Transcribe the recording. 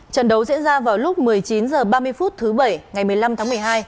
trận đấu diễn ra vào lúc một mươi chín h ba mươi phút thứ bảy ngày một mươi năm tháng một mươi hai